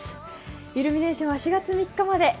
イルミネーションは４月３日まで。